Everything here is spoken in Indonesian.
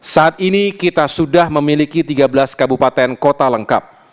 saat ini kita sudah memiliki tiga belas kabupaten kota lengkap